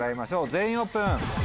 全員オープン。